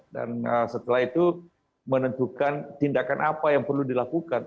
dan setelah itu menentukan tindakan apa yang perlu dilakukan